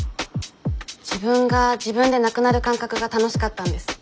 自分が自分でなくなる感覚が楽しかったんです。